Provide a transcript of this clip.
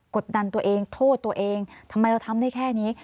กดดันตัวเองโทษตัวเองทำไมเราทำได้แค่นี้